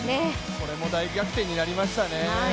これも大逆転になりましたね。